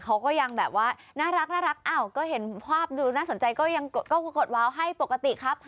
เขาก็ยังแบบว่าน่ารักอ้าวก็เห็นภาพดูน่าสนใจก็ยังกดก็คือกดว้าวให้ปกติครับ